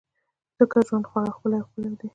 ځکه ژوند خورا ښکلی او ښکلی دی.